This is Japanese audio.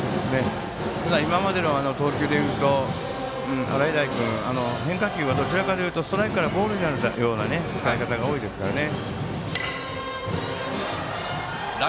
今までの投球でいうと洗平君変化球はどちらかというとストライクからボールになるような使い方が多いですからね。